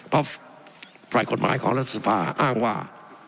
เพราะฝ่ายกฎหมายของรัฐสภาอ้างว่า